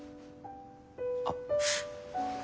あっ。